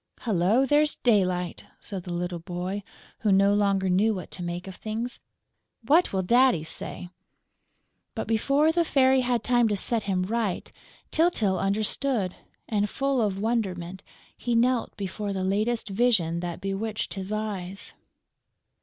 "Hullo, there's daylight!" said the little boy, who no longer knew what to make of things. "What will Daddy say?" But, before the Fairy had time to set him right, Tyltyl understood; and, full of wonderment, he knelt before the latest vision that bewitched his eyes.